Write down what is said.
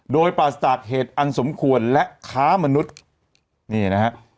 โดยปราศจากเหตุอันสมควรและค้ามนุษย์นี่นะฮะ